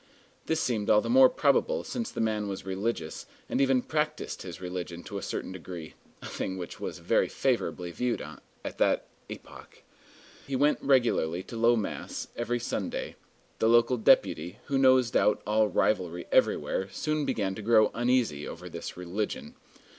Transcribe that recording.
This seemed all the more probable since the man was religious, and even practised his religion to a certain degree, a thing which was very favorably viewed at that epoch. He went regularly to low mass every Sunday. The local deputy, who nosed out all rivalry everywhere, soon began to grow uneasy over this religion.